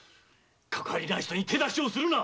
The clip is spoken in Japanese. かかわりない人に手出しするな。